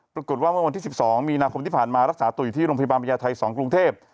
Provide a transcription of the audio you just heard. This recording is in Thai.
เมื่อวันที่๑๒มีนาคมที่ผ่านมารักษาตัวอยู่ที่โรงพยาบาลพญาไทย๒กรุงเทพ